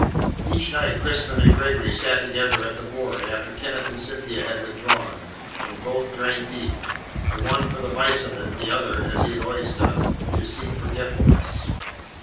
Each night Crispin and Gregory sat together at the board after Kenneth and Cynthia had withdrawn, and both drank deep the one for the vice of it, the other (as he had always done) to seek forgetfulness.